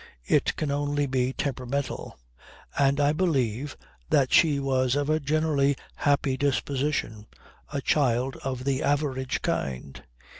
It can only be temperamental; and I believe that she was of a generally happy disposition, a child of the average kind.